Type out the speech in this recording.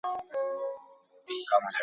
د لېوه داړو ته ځان مي وو سپارلی ,